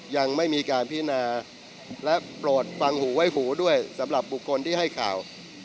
ยังไม่มีการพินาและโปรดฟังหูไว้หูด้วยสำหรับบุคคลที่ให้ข่าว